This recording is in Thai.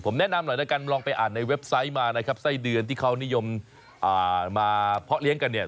แนะนำหน่อยแล้วกันลองไปอ่านในเว็บไซต์มานะครับไส้เดือนที่เขานิยมมาเพาะเลี้ยงกันเนี่ย